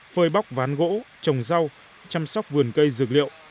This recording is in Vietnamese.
phơi bóc ván gỗ trồng rau chăm sóc vườn cây dược liệu